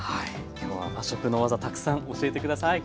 今日は和食の技たくさん教えて下さい。